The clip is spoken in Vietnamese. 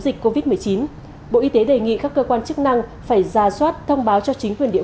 dịch covid một mươi chín bộ y tế đề nghị các cơ quan chức năng phải ra soát thông báo cho chính quyền địa